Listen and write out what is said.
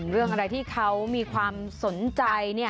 เรื่องอะไรที่เขามีความสนใจ